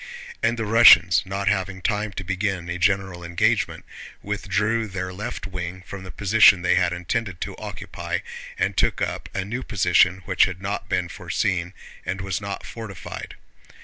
And the Russians, not having time to begin a general engagement, withdrew their left wing from the position they had intended to occupy and took up a new position which had not been foreseen and was not fortified.